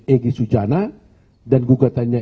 egy sujana dan gugatannya